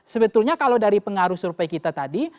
sebetulnya kalau dari pengaruh survei kita tadi